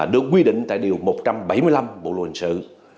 được quy định tại điều một trăm bảy mươi năm bộ luật hình sự